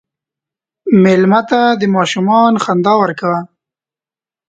مېلمه ته د ماشومان خندا ورکوه.